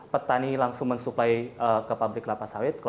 petani langsung mensuplai ke pabrik kelapa sawit